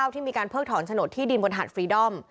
ที่มีการเพิกถอนโฉนดที่ดินบนหาดฟรีดอม